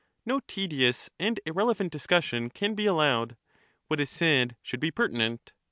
No tedious and irrelevant discussion can be allowed ; what is said should be pertinent.